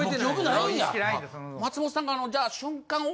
松本さんがじゃあ瞬間